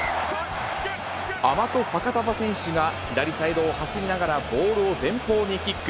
アマト・ファカタヴァ選手が、左サイドを走りながら、ボールを前方にキック。